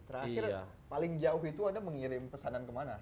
terakhir paling jauh itu anda mengirim pesanan ke mana